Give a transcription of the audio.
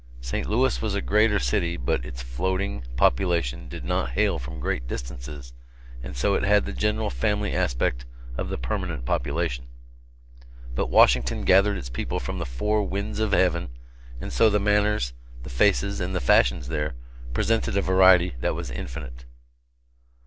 St. Louis was a greater city, but its floating population did not hail from great distances, and so it had the general family aspect of the permanent population; but Washington gathered its people from the four winds of heaven, and so the manners, the faces and the fashions there, presented a variety that was infinite.